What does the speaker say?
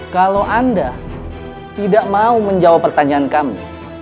kalau anda tidak mau menjawab pertanyaan kami